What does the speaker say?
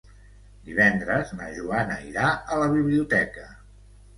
Divendres na Joana irà a la biblioteca.